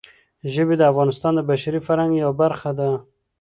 ژبې د افغانستان د بشري فرهنګ یوه برخه ده.